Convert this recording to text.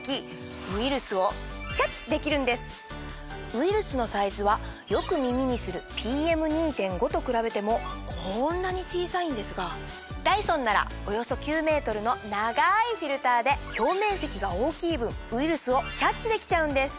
ウイルスのサイズはよく耳にするＰＭ２．５と比べてもこんなに小さいんですがダイソンならおよそ９ｍの長いフィルターで表面積が大きい分ウイルスをキャッチできちゃうんです。